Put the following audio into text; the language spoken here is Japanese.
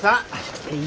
はい。